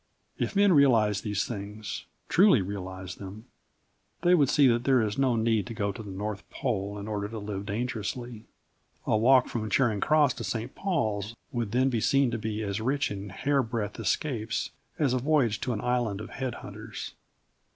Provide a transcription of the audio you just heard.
If men realised these things truly realised them they would see that there is no need to go to the North Pole in order to live dangerously. A walk from Charing Cross to St Paul's would then be seen to be as rich in hairbreadth escapes as a voyage to an island of head hunters.